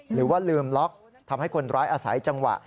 หรือว่าลืมล็อกทำให้คนร้ายอาศัยจังหวะ